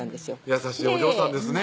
優しいお嬢さんですね